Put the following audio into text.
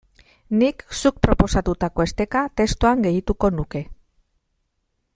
Nik zuk proposatutako esteka testuan gehituko nuke.